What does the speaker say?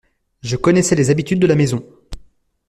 Je connaissais les habitudes de la maison.